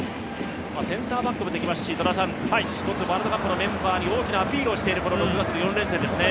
センターバックもできますしワールドカップのメンバーに大きなアピールをしている６月の４連戦ですね。